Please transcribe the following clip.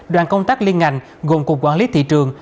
đoàn công tác liên ngành gồm cục quản lý thị trường